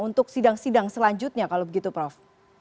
untuk sidang sidang selanjutnya kalau begitu prof